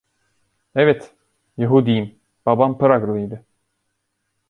Evet, Yahudiyim, babam Praglıydı.